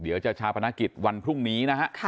เดี๋ยวจะชาปนกิจวันพรุ่งนี้นะครับ